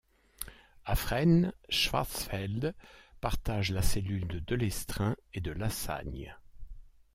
À Fresnes, Schwarzfeld partage la cellule de Delestraint et de Lassagne.